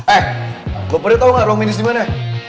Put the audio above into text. eh lo pada tau gak ruang medis dimana